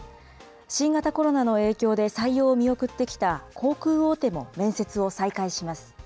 新型コロナの影響で採用を見送ってきた航空大手も面接を再開します。